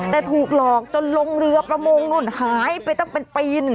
แต่ถูกหลอกจนลงเรือประมงนู่นหายไปตั้งเป็นปี๑